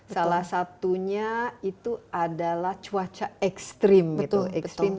salah satunya itu adalah cuaca ekstrim